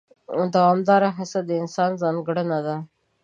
دوامداره هڅه د انسان ځانګړنه ده.